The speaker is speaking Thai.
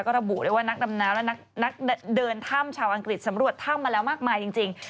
ระบุเลยว่านักดำน้ำและนักเดินถ้ำชาวอังกฤษสำรวจถ้ำมาแล้วมากมายจริง